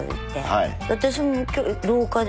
はい。